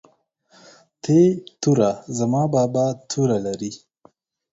ت توره زما بابا توره لري